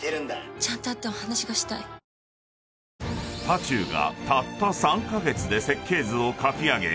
［多仲がたった３カ月で設計図を描き上げ